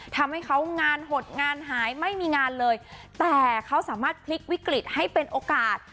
ทำให้เขางานหดงานหายไม่มีงานเลยแต่เขาสามารถพลิกวิกฤตให้เป็นโอกาส